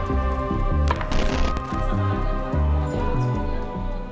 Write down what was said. pengamat otomotif aris harvenda menambahkan